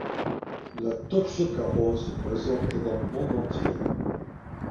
La toxocarose est présente dans le monde entier.